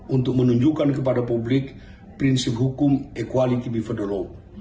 untuk menunjukkan kepada publik prinsip hukum equality before the law